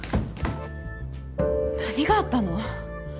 ・何があったの？